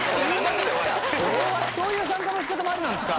そういう参加の仕方もありなんですか？